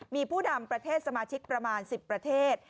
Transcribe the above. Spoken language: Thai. มีผู้นำประเทศสมาชิกประมาณ๑๐ประเทศ